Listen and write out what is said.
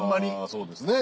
そうですね。